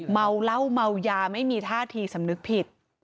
เมาเหล้าเมายาไม่มีท่าทีสำนึกผิด